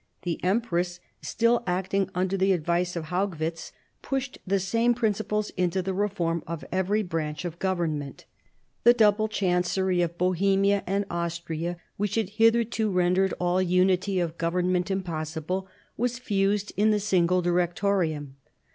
The empress, still acting under the advice of \^ Haugwitz, pushed the same principles into the reform of every branch of the government. The double chancery of Bohemia and. of Austria, which had hitherto * rendered all unity of government impossible, was fused, in^the single Direitoium.